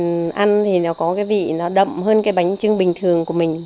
mình ăn thì nó có cái vị nó đậm hơn cái bánh trưng bình thường của mình